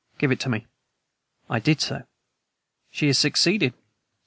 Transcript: Give it to me." I did so. "She has succeeded.